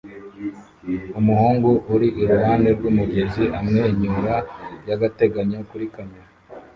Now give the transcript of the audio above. Umuhungu uri iruhande rw'umugezi amwenyura by'agateganyo kuri kamera